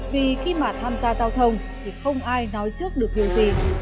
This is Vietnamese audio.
vì khi mà tham gia giao thông thì không ai nói trước được điều gì